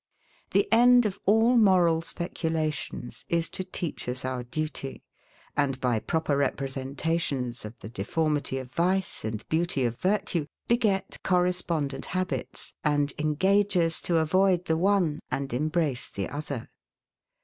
The end of all moral speculations is to teach us our duty; and, by proper representations of the deformity of vice and beauty of virtue, beget correspondent habits, and engage us to avoid the one, and embrace the other.